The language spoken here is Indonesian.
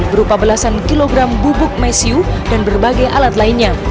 berupa belasan kilogram bubuk mesiu dan berbagai alat lainnya